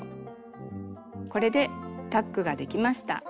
これでタックができました。